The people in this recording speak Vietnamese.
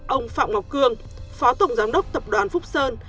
ông phạm ngọc cương phó tổng giám đốc tập đoàn phúc sơn